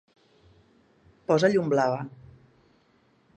Posa llum blava.